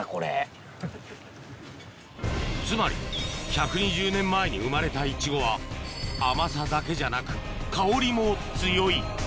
つまり１２０年前に生まれたイチゴは甘さだけじゃなく香りも強い